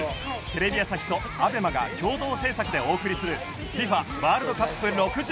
テレビ朝日とＡＢＥＭＡが共同制作でお送りする『ＦＩＦＡワールドカップ６４』。